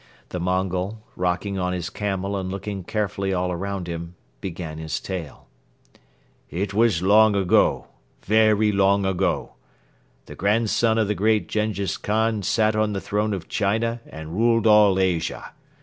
The Mongol, rocking on his camel and looking carefully all around him, began his tale. "It was long ago, very long ago. ... The grandson of the great Jenghiz Khan sat on the throne of China and ruled all Asia.